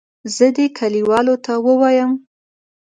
زه دې کلیوالو ته ووایم.